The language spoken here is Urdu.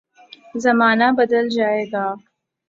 زمانہ بدل جائے گا۔